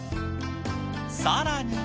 さらに。